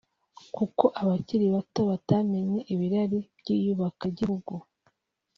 kuko abakiri bato batamenye ibirari by’iyubakagihugu